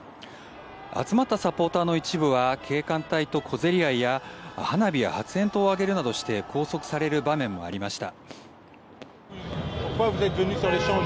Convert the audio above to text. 集まったサポーターの一部は警官隊と小競り合いや花火や発煙筒を上げるなどして拘束される場面もありました。